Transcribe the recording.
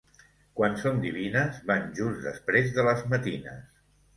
Quan són divines van just després de les matines.